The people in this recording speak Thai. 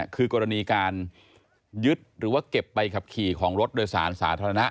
คือกรณีการยึดหรือว่าเก็บใบขับขี่ของรถโดยสารสาธารณะ